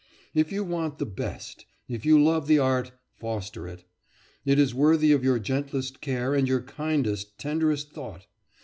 If you want the best, if you love the art, foster it. It is worthy of your gentlest care and your kindest, tenderest thought.